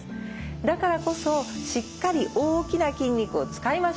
だからこそしっかり大きな筋肉を使いましょう。